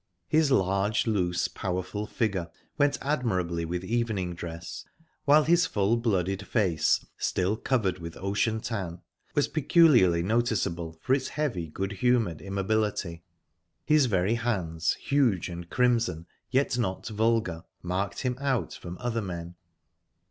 His large, loose, powerful figure went admirably with evening dress, while his full blooded face, still covered with ocean tan, was peculiarly noticeable for its heavy, good humored immobility; his very hands, huge and crimson, yet not vulgar, marked him out from other men.